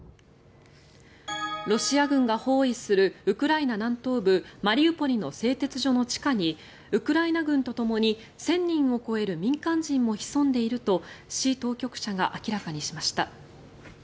ロシア軍が包囲するウクライナ南東部マリウポリの製鉄所の地下にウクライナ軍とともに１０００人を超える民間人も潜んでいると市当局者が明らかにしました。